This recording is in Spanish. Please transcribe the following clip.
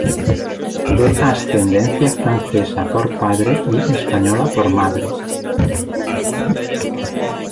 De ascendencia francesa por padre, y española por madre.